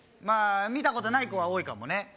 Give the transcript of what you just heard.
まあ見たことない子は多いかもね